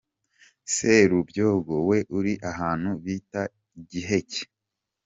Serubyogo we uri ahantu bita i Giheke.